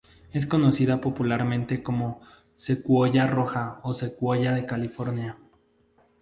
Es conocida popularmente como secuoya roja o secuoya de California.